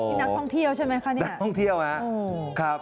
นี่นักท่องเที่ยวใช่ไหมคะนี่นักท่องเที่ยวครับ